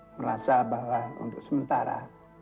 merasa bahwa untuk sementara